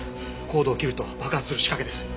コードを切ると爆発する仕掛けです。